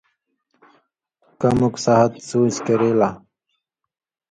کموک سہات سوچ کری لہ